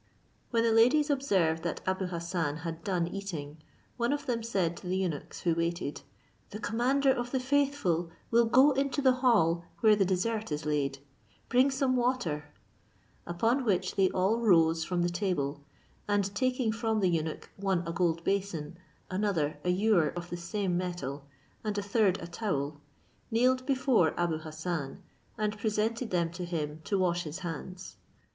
When the ladies observed that Abou Hassan had done eating, one of them said to the eunuchs who waited, "The commander of the faithful will go into the hall where the dessert is laid; bring some water;" upon which they all rose from the table, and taking from the eunuch, one a gold basin, another an ewer of the same metal, and a third a towel, kneeled before Abou Hassan, and presented them to him to wash his hands.